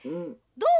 どう？